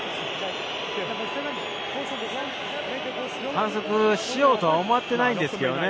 反則しようとは思っていないんですよね。